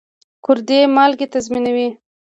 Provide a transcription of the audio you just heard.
ګردې مالګې تنظیموي.